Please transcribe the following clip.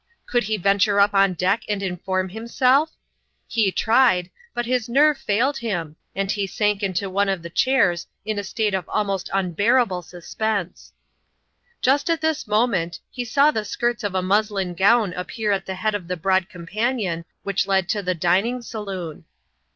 Could he venture up on deck and inform himself ? He tried, but his nerve failed him, and he sank into one of the chairs in a state of almost un bearable suspense. Just at this moment, he saw the skirts of a muslin gown appear at the head of the broad companion which led to the dining saloon.